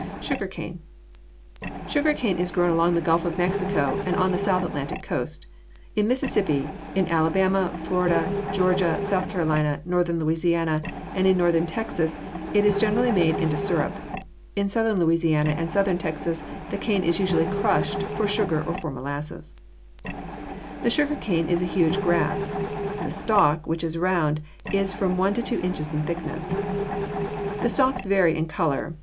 =Sugar Cane.= Sugar cane is grown along the Gulf of Mexico and the South Atlantic coast. In Mississippi, in Alabama, Florida, Georgia, South Carolina, northern Louisiana, and in northern Texas it is generally made into sirup. In southern Louisiana and southern Texas the cane is usually crushed for sugar or for molasses. [Illustration: FIG. 213. STALK OF SUGAR CANE A B, joints of cane showing roots; B C, stem; C D, leaves] The sugar cane is a huge grass. The stalk, which is round, is from one to two inches in thickness. The stalks vary in color.